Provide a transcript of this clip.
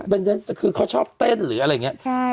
เป็นคือเขาชอบเต้นหรืออะไรอย่างนี้